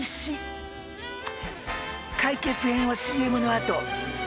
解決編はＣＭのあと。